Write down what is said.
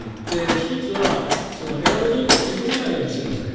１つはエアロゾルを吸い込まないようにしてください。